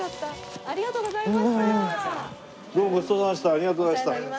ありがとうございます。